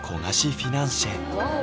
フィナンシェ